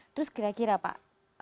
terus kira kira pak